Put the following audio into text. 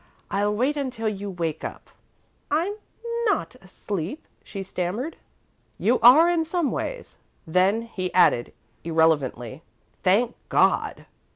"I'll wait until you wake up." "I'm not asleep," she stammered. "You are in some ways." Then he added, irrelevantly, "Thank God!"